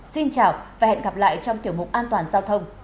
xin chào và hẹn gặp lại trong tiểu mục an toàn giao thông tuần sau